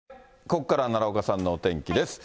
ここからは奈良岡さんのお天気です。